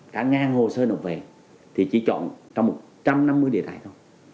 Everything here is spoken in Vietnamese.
cả ngàn hồ sơ nộp về thì chỉ chọn trong một trăm năm mươi địa tài thôi